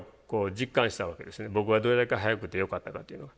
僕がどれだけ速くてよかったかっていうのを。